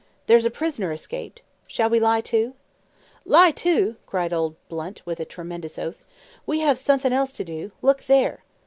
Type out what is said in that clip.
There's a prisoner escaped. Shall we lie to?" "Lie to!" cried old Blunt, with a tremendous oath. "We'll have suthin' else to do. Look there!"